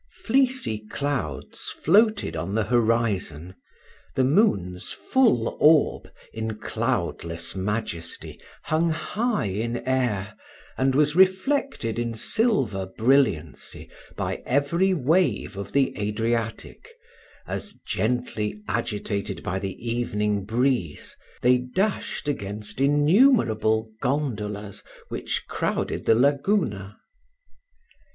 Fleecy clouds floated on the horizon the moon's full orb, in cloudless majesty, hung high in air, and was reflected in silver brilliancy by every wave of the Adriatic, as, gently agitated by the evening breeze, they dashed against innumerable gondolas which crowded the Laguna.